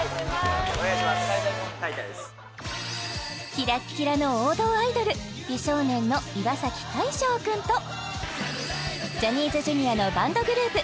キラッキラの王道アイドル美少年の岩大昇くんとジャニーズＪｒ．のバンドグループ